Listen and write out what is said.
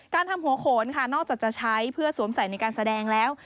การทำหัวโขนนอกจากจะใช้สวมใส่ในการแสดงแล้ว